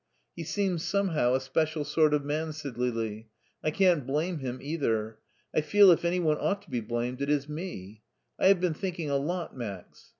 He seems somehow a special sort of man/* Said Lili ;I can't blame him either. I feel if any one ought to be blamed it is me. I have been thinking a lot, Max.